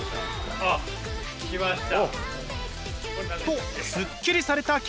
あっ来ました。